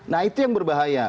nah itu yang berbahaya